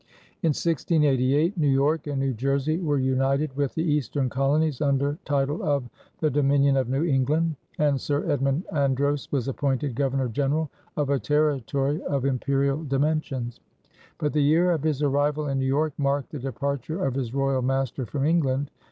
In 1688 New York and New Jersey were united with the Eastern colonies under title of "The Dominion of New England," and Sir Edmund Andros was appointed Governor General of a territory of imperial dimensions. But the year of his arrival in New York marked the departure of his royal master from England.